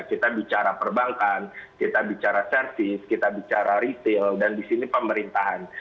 kita bicara perbankan kita bicara servis kita bicara retail dan di sini pemerintahan